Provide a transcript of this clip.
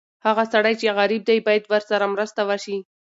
هغه سړی چې غریب دی، باید ورسره مرسته وشي.